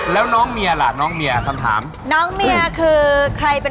แม่หนูไปขอเขา